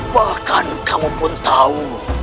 bahkan kamu pun tahu